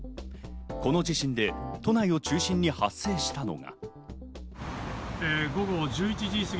この地震で都内を中心に発生したのが。